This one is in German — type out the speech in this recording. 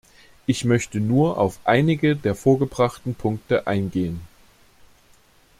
Ich möchte nur auf einige der vorgebrachten Punkte eingehen.